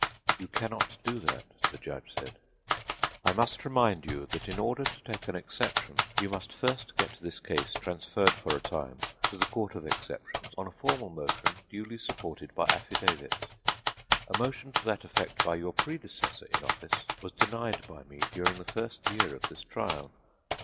"You cannot do that," the judge said. "I must remind you that in order to take an exception you must first get this case transferred for a time to the Court of Exceptions on a formal motion duly supported by affidavits. A motion to that effect by your predecessor in office was denied by me during the first year of this trial.